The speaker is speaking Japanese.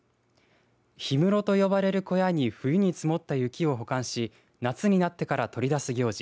氷室と呼ばれる小屋に冬に積もった雪を保管し夏になってから取り出す行事